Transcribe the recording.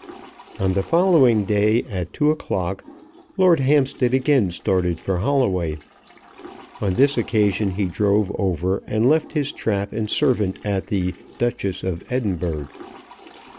On the following day, at two o'clock, Lord Hampstead again started for Holloway. On this occasion he drove over, and left his trap and servant at the "Duchess of Edinburgh."